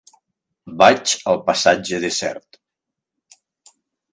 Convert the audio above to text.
Vaig al passatge de Sert.